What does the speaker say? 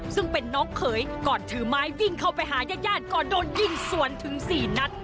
ซึ่งเป็นน้องเขยก่อนถือไม้วิ่งเข้าไปหายาดก่อนโดนยิงสวนถึง๔นัด